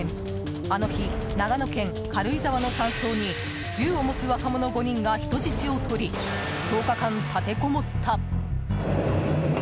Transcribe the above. あの日、長野県軽井沢の山荘に銃を持つ若者５人が人質をとり１０日間、立てこもった。